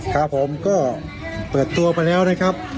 ครับผมก็เปิดตัวไปแล้วนะครับ